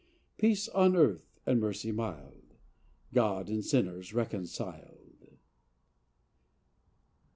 " Peace on earth and mercy mild, God and sinners reconciled